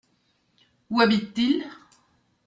Où habite-t-il ?